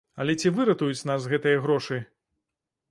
Але ці выратуюць нас гэтыя грошы?